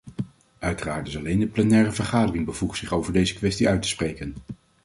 Uiteraard is alleen de plenaire vergadering bevoegd zich over deze kwestie uit te spreken.